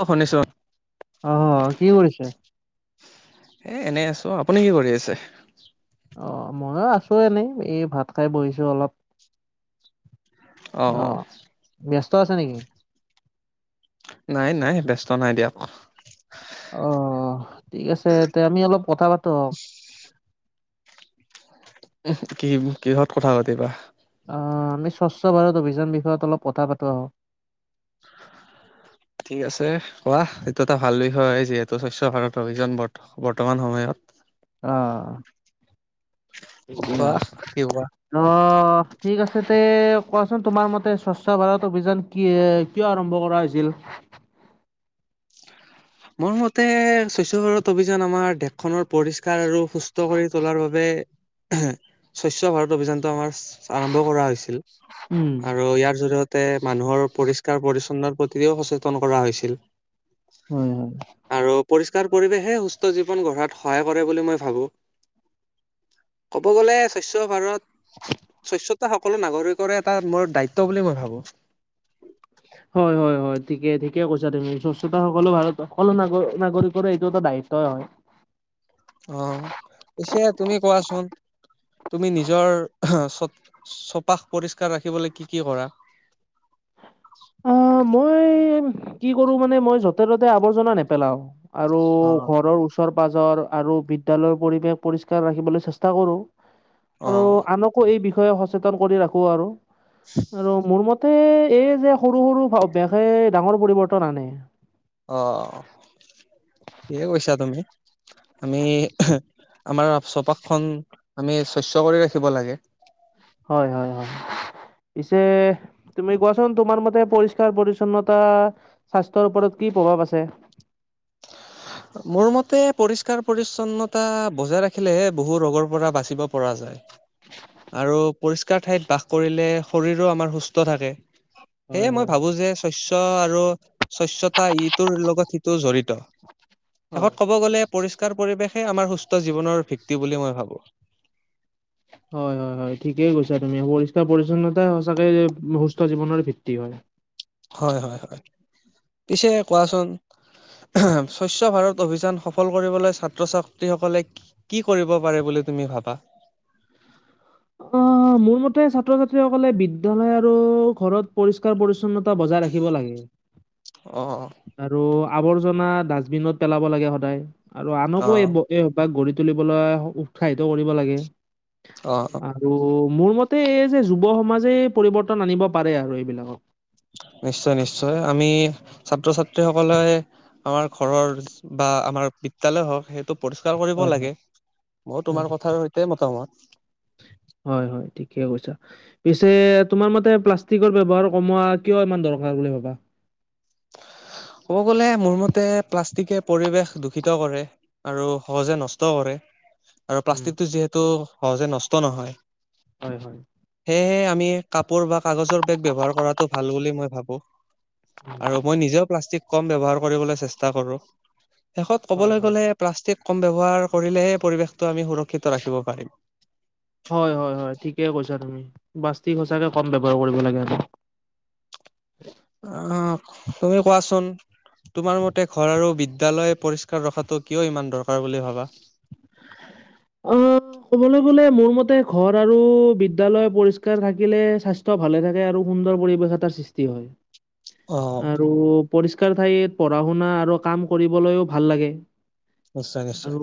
অ, শুনিছো। অ, কি কৰিছে? এ এনেই আছো। আপুনি কি কৰি আছে? অ, ময়ো আছো এনেই। এই ভাত খাই বহিছো অলপ। অ, ব্যস্ত আছে নেকি? নাই, নাই ব্যস্ত নাই দিয়া কোৱা। অ, ঠিক আছে। তে আমি অলপ কথা পাতো আহক। [unintelligible] কি কিহত কথা পাতিবা? অ, আমি স্বচ্ছ ভাৰত অভিযান বিষয়ত অলপ কথা পাতো আহক। ঠিক আছে কোৱা। এইটো এটা ভাল বিষয় হয়। যিহেতু স্বচ্ছ ভাৰত অভিযান বৰ্তমান সময়ত অ। কোৱা [unintelligible] কি কোৱা ন ঠিক আছে তে। কোৱাচোন তোমাৰ মতে স্বচ্ছ ভাৰত অভিযান কি, কিয় আৰম্ভ কৰা হৈছিল? মোৰ মতে স্বচ্ছ ভাৰত অভিযান আমাৰ দেশখনৰ পৰিষ্কাৰ আৰু সুছ [unintelligible] কৰি তোলাৰ বাবে স্বচ্ছ ভাৰত অভিযানটো আমাৰ আৰম্ভ কৰা হৈছিল উম আৰু ইয়াৰ জৰিয়ত তে মানুহৰ পৰিষ্কাৰ পৰিছন্নৰ প্ৰতিও সচেতন কৰা হৈছিল। হয়, হয়। আৰু পৰিষ্কাৰ পৰিৱেশে সুস্থ জীৱন গঢ়াত সহায় কৰে বুলি মই ভাবো। ক'ব গ'লে স্বচ্ছ ভাৰত স্বচ্ছতা সকলো নাগৰিকৰে এটা মোৰ দায়িত্ব বুলি মই ভাবো। [inaudible] হয়-হয়-হয় ঠিকে-ঠিকে কৈছা তুমি। স্বচ্ছতা সকলো ভাৰত সকলো ন নাগৰিকৰে এইটো এটা দায়িত্বই হয়। অ, পিছে তুমি কোৱাচোন। তুমি নিজৰ চ চপাশ পৰিষ্কাৰ ৰাখিবলৈ কি কি কৰা? অ, মই কি কৰো মানে মই যতে-ত'তে আৱৰ্জনা নেপেলাও। আৰু অ', ঘৰৰ ওচৰ-পাজৰ আৰু বিদ্যালয়ৰ পৰিৱেশ পৰিষ্কাৰ ৰাখিবলৈ চেষ্টা কৰোঁ। আৰু অ', আনকো এই বিষয়ে সচেতন কৰি ৰাখো আৰু। আৰু মোৰ মত [unintelligible] এই যে সৰু সৰু অভ্যাসে ডাঙৰ পৰিৱৰ্তন আনে। অ', ঠিকে কৈছা তুমি আমি [unintelligible] আমাৰ অ চৌপাশখন আমি স্বচ্ছ কৰি ৰাখিব লাগে। হয়-হয়-হয়। পিছে তুমি কোৱাচোন। তোমাৰ মতে পৰিষ্কাৰ পৰিচ্ছন্নতা স্বাস্থ্যৰ ওপৰত কি কি প্ৰভাৱ আছে? [inaudible] মোৰ মতে পৰিষ্কাৰ পৰিচ্ছন্নতা বজাই ৰাখিলেহে বহু ৰগৰ পৰা বাচিব পৰা যায়। আৰু পৰিষ্কাৰ ঠাইত বাস কৰিলে শৰীৰো আমাৰ সুস্থ থাকে। হয়, সেয়ে মই হয়, হয়। ভাবো যে স্বচ্ছ আৰু স্বচ্ছতা ইটোৰ লগত সিটো জড়ি ত হয়, শেষত ক'ব গ'লে পৰিষ্কাৰ পৰিৱেশে আমাৰ সুস্থ জীৱনৰ ভিত্তি বুলি মই ভাবো। হয়-হয়-হয়। ঠিকেই গৈছা তুমি। পৰিষ্কাৰ পৰিচ্ছন্নতা সঁচাকে সুস্থ জীৱনৰ ভিত্তি হয়। [unintelligible] হয়-হয়-হয়। পিছে কোৱাচোন। স্বচ্ছ ভাৰত অভিযান সফল কৰিবলৈ ছাত্ৰ-ছাত্ৰীসকলে কি কৰিব পাৰে বুলি তুমি ভাবা। অ, মোৰ মতে ছাত্ৰ-ছাত্ৰীসকলে বিদ্যালয় আৰু ঘৰত পৰিষ্কাৰ পৰি ন্নতা বজাই ৰাখিব লাগে অ আৰু আৱৰ্জনা ডাষ্টবিনত পেলাব লাগে সদায় আৰু অ। অ আনকো এই এই অভ্যাস গঢ়ি তুলিবলৈ উৎসাহিত কৰিব লাগে। অ আৰু মোৰ মতে এই যে যুৱ সমাজেই পৰিৱৰ্তন আনিব পাৰে আৰু এইবিলাকক। নিশ্চয়, নিশ্চয়। আমি ছাত্ৰ-ছাত্ৰী সকলে আমাৰ ঘৰৰ বা আমাৰ বিদ্যালয় হওক সেইটো পৰিষ্কাৰ কৰিব হয়, হয়, লাগে। মই হয়। তোমাৰ কথাৰ সৈতে মতামত। হয়, হয়, ঠিকে কৈছা। পিছে তোমাৰ মতে প্লাষ্টিকৰ ব্যৱহাৰ কমোৱা কিয় ইমান দৰকাৰ বুলি ভাবা? [unintelligible] ক'ব গ'লে মোৰ মতে প্লাষ্টিকে পৰিৱেশ দূষিত কৰে আৰু সহজে নষ্ট কৰে। আৰু উম, প্লাষ্টিকটো যিহেতু সহজে নষ্ট নহয়। হয়, হয়। সেয়েহে আ আমি কাপোৰ বা কাগজৰ বেগ ব্যৱহাৰ কৰাটো ভাল বুলি মই ভাবো। উম, আৰু মই নিজেও প্লাষ্টিক কম ব্যৱহাৰ কৰিবলে চেষ্টা কৰো। শেষত হয়, ক'বলৈ হয়। গলে প্লাষ্টিক কম ব্যৱহাৰ কৰিলেহে পৰিৱেশটো আমি সুৰক্ষিত ৰাখিব পাৰিম। হয়, হয়, হয়, ঠিকে কৈছা তুমি। প্লাষ্টিক সঁচাকে কম ব্যৱহাৰ কৰিব লাগে আমি। অ, তুমি কোৱাচোন। তোমাৰ মতে ঘৰ আৰু বিদ্যালয় পৰিষ্কাৰ ৰখাটো কিয় ইমান দৰকাৰ বুলি ভাবা? [inaudible] অ', ক'বলৈ গলে মোৰ মতে ঘৰ আৰু বিদ্যালয় পৰিষ্কাৰ থাকিলে স্বাস্থ্য ভালে থাকে আৰু সুন্দৰ পৰিৱেশ এটাৰ সৃষ্টি অ হয় আৰু পৰিছ কাৰ ঠাইত পঢ়া-শুনা আৰু কাম কৰিবলৈও ভাল লাগে। নিশ্চয়, নিশ্চয়। আৰু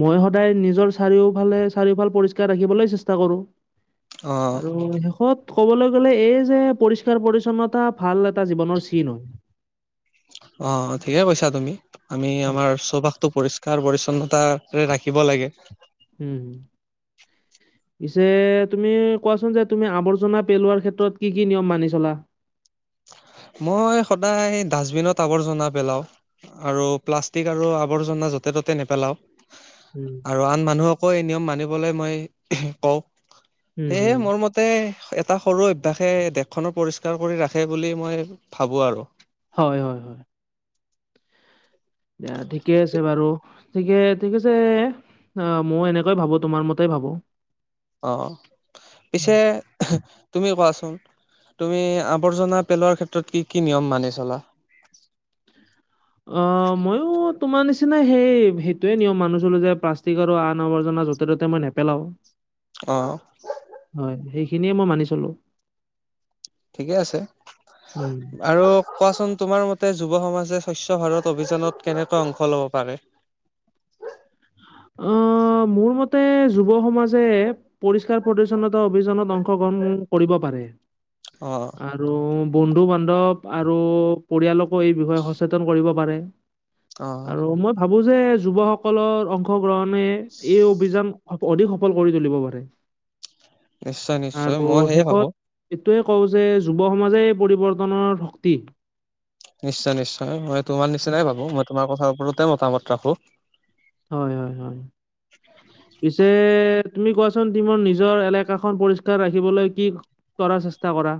মই সদায় নিজৰ চাৰিওফালে চাৰিওফাল পৰিষ্কাৰ ৰাখিবলৈ চেষ্টা কৰো। অ আৰু শেষত ক'বলৈ গ'লে এই যে পৰিষ্কাৰ-পৰিচ্ছন্নতা ভাল এটা জীৱনৰ চিন হয়। অ, ঠিকে কৈছা তুমি। আমি আমাৰ চৌপাশটো পৰিষ্কাৰ পৰিচ চন্নতা ৰাখিব লাগে। উ-উ। [inaudible] পিছে তুমি কোৱাচোন যে তুমি আৱৰ্জনা পেলোৱাৰ ক্ষেত্ৰত কি কি নিয়ম মানি চলা? [unintelligible] মই সদায় ডাষ্টবিনত আৱৰ্জনা পেলাও আৰু প্লাষ্টিক আৰু আৱৰ্জনা য'তে-ত'তে নেপেলাও উম, আৰু আন মানুহকো এই নিয়ম মানিবলৈ মই কওঁ। উম, সেয়হে উম, মৰ মতে এটা সৰু অভ্যাসে দেশখননৰ পৰিষ্কাৰ কৰি ৰাখে বুলি মই ভাবো আৰু। হয় হয় হয়। দিয়া ঠিকে আছে বাৰু ঠিকে ঠিক আছে। অ মই এনেকৈ ভাবো তোমাৰ মতে ভাবো। অ পিছে তুমি কোৱাচোন? তুমি আৱৰ্জনা পেলোৱাৰ ক্ষেত্ৰত কি কি নিয়ম মানি চলা? অ ময়ো তোমাৰ নিচিনা সেই সেইটোৱে নিয়ম মানুহ চলো যে প্লাষ্টিক আৰু আন আৱৰ্জনা য'তে ত'তে মই নেপেলাও। অ হয় সেইখিনিয়ে মই মানি চলো। ঠিকে আছে উম আৰু কোৱাচোন তোমাৰ মতে যুৱ সমাজ যে স্বচ্ছ ভাৰত অভিযানত কেনেকৈ অংশ লব পাৰে। অ। অ মোৰ মতে যুৱ সমাজে পৰিষ্কাৰ পৰিচ্ছন্নতা অভিযানত অংশগ্ৰহণ কৰিব পাৰে অ', আৰু বন্ধু বান্ধৱ আৰু পৰিয়ালকো এই বিষয়ে সচেতন কৰিব পাৰে। অ', আৰু মই ভাবো যে যুৱসকলৰ অংশগ্ৰহণে এই অভিযান অধিক সফল কৰি তুলিব পাৰে নিশ্চয় নিশ্চয় আৰু মই সেয়ে ভাবো। শেষত তয়ে কওঁ যে যুৱ সমাজে পৰিৱৰ্তনৰ শক্তি। নিশ্চয় নিশ্চয় মই তোমাৰ নিচিনাই ভাবোঁ, মই তোমাৰ কথা ওপৰতে মতামত ৰাখো। হয় হয় হয় পিছে তুমি কোৱাচোন তোমাৰ নিজৰ এলেকাখন পৰিষ্কাৰ ৰাখিবলৈ কি কৰাৰ চেষ্টা কৰা?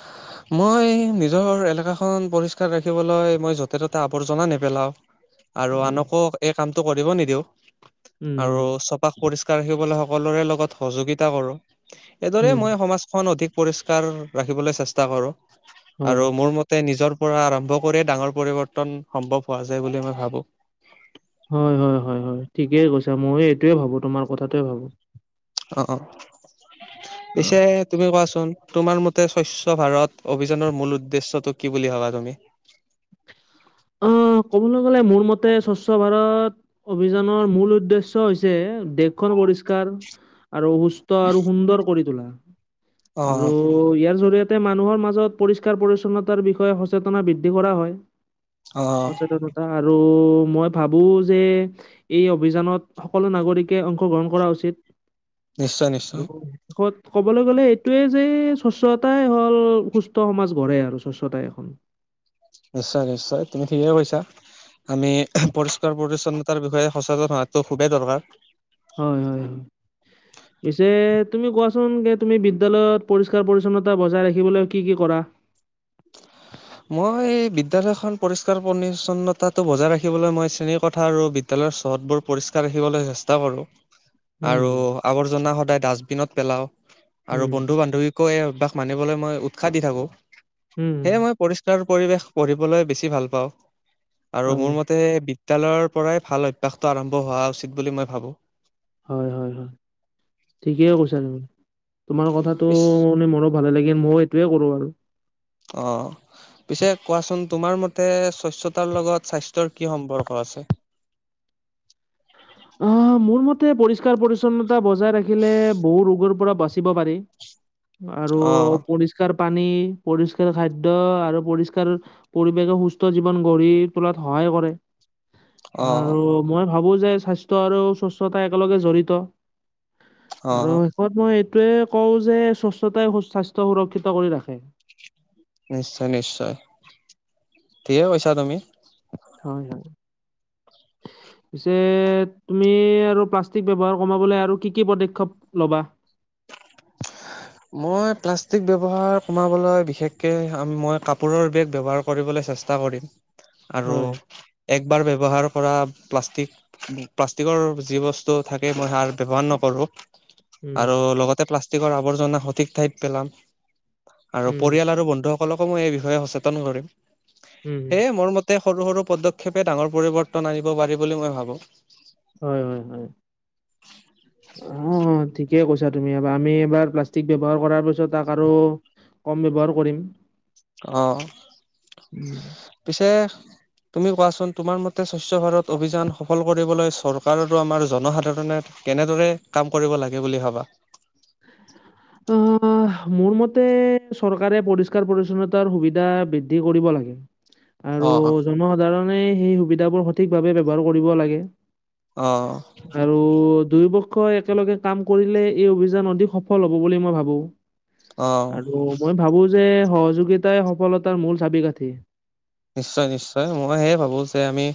[inaudible] মই নিজৰ এলেকাখন পৰিষ্কাৰ ৰাখিবলৈ মই য'তে ত'তে আৱৰ্জনা নেপেলাও। আৰু উম আনকো এই কামটো কৰিব নিদিওঁ। উম আৰু উম চৌপাশ পৰিষ্কাৰ ৰাখিবলৈ সকলোৰে লগত সহযোগিতা কৰো। এইদৰে উম মই সমাজখন অধিক পৰিষ্কাৰ ৰাখিবলৈ চেষ্টা কৰোঁ। হয় আৰু মোৰ মতে নিজৰ পৰা আৰম্ভ কৰি ডাঙৰ পৰিৱৰ্তন সম্ভৱ হোৱা যায় বুলি মই ভাবো। হয় হয় হয় হয় ঠিকেই কৈছা ময়ো এইটোৱে ভাবো তোমাৰ কথাটোৱে ভাবো। অ অ অ পিছে তুমি কোৱাচোন? তোমাৰ মতে স্বচ্ছ ভাৰত অভিযানৰ মূল উদ্দেশ্যটো কি বুলি ভাবা তুমি? অ', ক'বলৈ গলে মোৰ মতে স্বচ্ছ ভাৰত অভিযানৰ মূল উদ্দেশ্য হৈছে দেশখন পৰিষ্কাৰ আৰু সুস্থ আৰু সুন্দৰ কৰি তোলা। অ আৰু ইয়াৰ জৰিয়েত তে মানুহৰ মাজত পৰিষ্কাৰ পৰিচ্ছন্নতাৰ বিষয়ে সচেতনা বৃদ্ধি কৰা হয়। অ সচেতনতা আৰু মই ভাবো যে এই অভিযানত সকলো নাগৰিকে অংশগ্ৰহণ কৰা উচিত। নিশ্চয় নিশ্চয় আৰু ক'ত ক'বলৈ গ'লে এইটোয়ে যে স্বচ্ছতাই হ'ল সুস্থ সমাজ গঢ়ে আৰু স্বচ্ছতাই এখন। নিশ্চয় নিশ্চয় তুমি ঠিকে কৈছা। আমি পৰিষ্কাৰ পৰিচ্ছন্নতাৰ বিষয়ে সচেতন হোৱাটো খুবেই দৰকাৰ। হয়, হয়, হয়। [inaudible] পিছে তুমি কোৱাচোন গে তুমি বিদ্যালয়ত পৰিষ্কাৰ পৰিচ্ছন্নতা বজাই ৰাখিবলৈ কি কি কৰা? [inaudible] মই বিদ্যালয়খন পৰিষ্কাৰ পৰিচ্ছন্নতাটো বজাই ৰাখিবলৈ মই শ্ৰেণীৰ কথা আৰু বিদ্যালয় চৌহদবোৰ পৰিষ্কাৰ ৰাখিবলৈ চেষ্টা কৰোঁ। আৰু উম, আৱৰ্জনা সদায় ডাষ্টবিনত পেলাওঁ। আৰু উম, বন্ধু বান্ধৱী কৈ অভ্যাস মানিবলৈ মই উৎসাহ দি থাকোঁ। উম। পৰিষ্কাৰ পৰিৱেশ পঢ়িবলৈ বেছি ভাল পাওঁ। আৰু হয়, মোৰ মতে বিদ্যালয়ৰ পৰাই ভাল অভ্যাসটো আৰম্ভ হোৱা উচিত বুলি মই ভাবো। হয়, হয়, হয়, ঠিকেই কৈছা তুমি। তোমাৰ কথাটো পিছ শুনি মোৰো ভালে লাগিল। মই এইটোৱে কৰো আৰু। অ, পিছে কোৱাচোন তোমাৰ মতে স্বচ্ছতাৰ লগত স্বাস্থ্যৰ কি সম্পৰ্ক আছে? [unintelligible] অ মোৰ মতে পৰিষ্কাৰ পৰিচ্ছন্নতা বজাই ৰাখিলে বহু ৰোগৰ পৰা বাচিব পাৰি। আৰু অ পৰিস্কাৰ পানী, পৰিষ্কাৰ খাদ্য, আৰু পৰিষ্কাৰ পৰিৱেশে সুস্থ জীৱন গঢ়ি তোলাত সহা সহায় কৰে। অ আৰু মই ভাবো যে স্বাস্থ্য আৰু স্ৱচ্ছতা একেলগে জড়িত অ আৰু শেষত মই তে কও যে স্বচ্ছতাই স্বাস্থ্য সুৰক্ষিত কৰি ৰাখে। নিশ্চয় নিশ্চয়, ঠিকে কৈছা তুমি। হয় হয় [unintelligible] পিছে তুমি আৰু প্লাষ্টিক ব্যৱহাৰ কমাবলে আৰু কি কি পদক্ষেপ ল'বা? [unintelligible] মই প্লাষ্টিক ব্যৱহাৰ কমাবলৈ বিশেষকে মই কাপোৰৰ বেগ ব্যৱহাৰ কৰিবলৈ, চেষ্টা কৰিম। আৰু হয় একবাৰ ব্যৱহাৰ কৰা প্লাষ্টিক প্লাষ্টিকৰ যি বস্তু থাকে মই সাৰ ব্যৱহাৰ নকৰোঁ আৰু উম লগতে প্লাষ্টিকৰ আৱৰ্জনা সঠিক ঠাইত পেলাম আৰু উম পৰিয়াল আৰু বন্ধু সকলকো মই এই বিষয়ে সচেতন কৰিম। উম সেয়ে মোৰ মত তে সৰু সৰু পদক্ষেপে ডাঙৰ পৰিবৰ্তন আনিব পাৰি বুলি মই ভাবো হয় হয় হয়, উম ঠিক ঠিকে কৈছা তুমি এবাৰ আমি এবাৰ প্লাষ্টিক ব্যৱহাৰ কৰাৰ পিছত তাক আৰু কম ব্যৱহাৰ কৰিম। অ, উম। পিছে তুমি কোৱাচোন তোমাৰ মতে স্বচ্ছ ভাৰত অভিযান সফল কৰিবলৈ চৰকাৰ আৰু আমাৰ জনসাধাৰণে কেনেদৰে কাম কৰিব লাগে বুলি ভাবা? অ মোৰ মত তে চৰকাৰে পৰিষ্কাৰ পৰিছন্নতাৰ সুবিধা বৃদ্ধি কৰিব লাগে। আৰু অ অ জনসাধাৰণে সেই সুবিধাবোৰ সঠিকভাৱে ব্যৱহাৰ কৰিব লাগে। অ আৰু দুয়ো পক্ষই একেলগে কাম কৰিলে এই অভিযান আ অ সফল হ'ব বুলি মই ভাবো। অ আৰু মই ভাবো যে সহযোগিতাই সফলতাৰ মূল চাবি কাঠি। নিশ্চয় নিশ্চয় মই হেই ভাবো যে আমি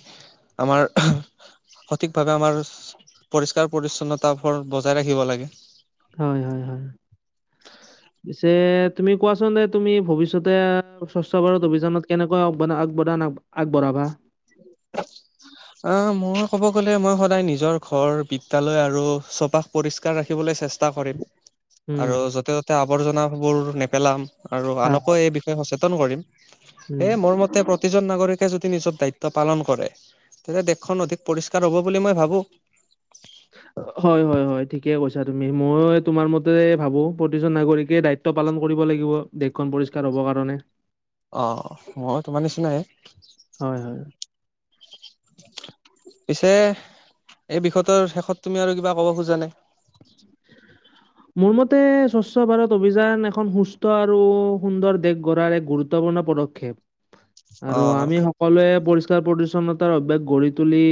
আমাৰ সঠিক ভাৱে আমাৰ পৰিষ্কাৰ পৰিছন্নতা ফোৰ বজাই ৰাখিব লাগে। হয় হয় হয়। পিছে তুমি কোৱাচোন এ তুমি ভৱিষ্যতে স্বচ্ছ ভাৰত অভিযানত কেনেকুৱা আব আবদান আগবঢ়াবা [unintelligible] অ মই কব গলে মই সদায় নিজৰ ঘৰ বিদ্যলয় আৰু চৌপাশ পৰিস্কাৰ ৰাখিবলে চেষ্টা, তা কৰিম। উম, আৰু য'তে ত'তে আৱৰ্জনাবোৰ নেপেলাম আৰু হা, আনকো এই বিষয়ে সচেতন কৰিম। উম। এই মোৰ মতে প্ৰতিজন নাগৰিকে যদি নিজৰ দায়িত্ব পালন কৰে তেতিয়া দেশখন অধিক পৰিষ্কাৰ হ'ব বুলি মই ভাবো। হয় হয় হয় ঠিকে কৈছে এতিয়া তুমি মই তোমাৰ মতে ভাবো প্ৰতিজন নাগৰিকে দায়িত্ব পালন কৰিব লাগিব দেশখন পৰিষ্কাৰ হ'ব হব কাৰণে। অ মইও তোমাৰ নিচিনাই। হয়, হয়। [unintelligible] পিছে এই বিষয়টোৰ শেষত তুমি আৰু কিবা ক'ব খোজানে? [unintelligible] মোৰ মতে স্বচ্ছ ভাৰত অভিযান এখন সুস্থ আৰু সুন্দৰ দেশ গঢ়াৰ এক গুৰুত্বপূৰ্ণ পদ পদক্ষেপ অ আৰু আমি সকলোৱে পৰিচ্ [unintelligible] পৰিচ্ছন্নতাৰ অভ্যাস গঢ়ি তুলি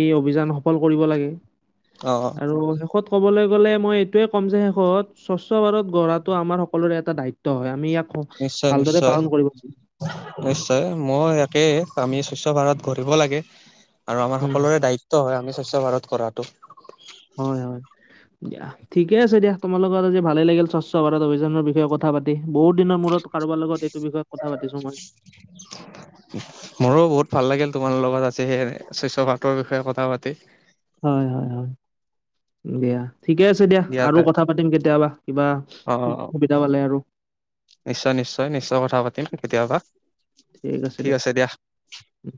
এই অভিযান সফল কৰিব লাগে। অ আৰু শেষত ক'বলৈ গলে মই এইটোৱে ক'ম যে শেষত স্বচ্ছ ভাৰত গঢ়াটো আমাৰ সকলোৰে এটা দায়িত্ব হয়। আমি ইয়াক স- নিশ্চয়, ভালদৰে নিশ্চয়। পালন কৰিব লাগে নিশ্চয়। মই একেই। আমি স্বচ্ছ ভাৰত কৰিব লাগে আৰু আমাৰ উম, সকলোৰে দায়িত্ব হয় আমি স্বচ্ছ ভাৰত কৰাটো। [inaudible] হয়, হয় দিয়া ঠিকে আছে দিয়া। তোমাৰ লগত আজি ভালে লাগিল স্বচ্ছ ভাৰত অভিযানৰ বিষয়ে কথা পাতি। বহুত দিনৰ মূৰত কাৰোবাৰ লগত এইটো বিষয়ত কথা পাতিছো মই মৰো বহুত ভাল লাগিল তোমাৰ লগত লগত আছে সে স্বচ্ছ ভাৰতৰ বিষয়ে কথা পাতি। হয়, হয়, হয়, দিয়া। ঠিকে আছে দিয়া। আৰু কথা পাতিম কেতিয়াবা কিবা অ সু-সুবিধা পালে আৰু। নিশ্চয়, নিশ্চয়, নিশ্চয় কথা পাতিম কেতিয়াবা। ঠিক আছে দিয়া। উম।